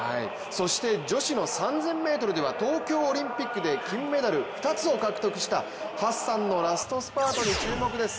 そして女子の３０００ｍでは東京オリンピックで金メダル２つを獲得したハッサンのラストスパートに注目です。